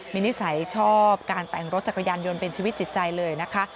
มีนิสัยชอบการแต่งรถจักรยานยนต์เป็นชีวิตจิตใจเลยนะคะ